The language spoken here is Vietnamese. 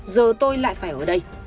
giờ tôi lại phải ở đây